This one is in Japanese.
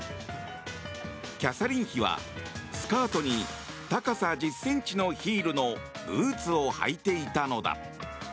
キャサリン妃はスカートに高さ１０ｃｍのヒールのブーツを履いていたのだ。